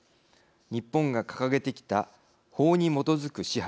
日本が掲げてきた法に基づく支配。